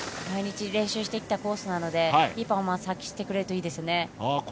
毎日練習してきたコースなのでいいパフォーマンス発揮してくれるといいですね。